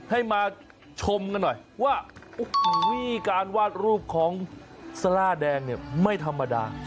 ให้มาชมกันหน่อยว่าโอ้โหการวาดรูปของซาร่าแดงเนี่ยไม่ธรรมดา